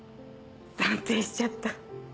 断定しちゃった。